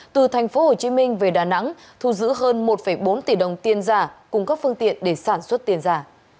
từ thành phố hồ chí minh về đà nẵng thu giữ hơn một bốn tỷ đồng tiền giả cung cấp phương tiện để sản xuất tiền giả